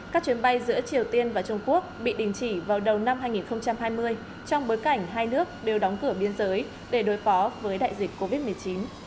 các chuyến bay giữa triều tiên và trung quốc bị đình chỉ vào đầu năm hai nghìn hai mươi trong bối cảnh hai nước đều đóng cửa biên giới để đối phó với đại dịch covid một mươi chín